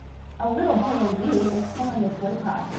A little boy in blue is pulling a toy car.